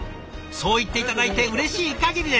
そう言って頂いてうれしいかぎりです。